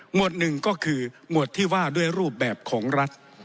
วดหนึ่งก็คือหมวดที่ว่าด้วยรูปแบบของรัฐ